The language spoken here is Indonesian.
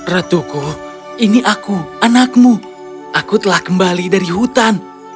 ratuku ini aku anakmu aku telah kembali dari hutan